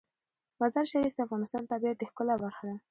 مزارشریف د افغانستان د طبیعت د ښکلا برخه ده.